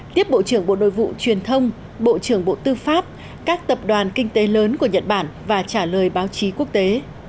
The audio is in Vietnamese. tiếp bộ trưởng bộ nội vụ truyền thông bộ trưởng bộ tư pháp các tập đoàn kinh tế lớn của nhật bản và trả lời báo chí quốc tế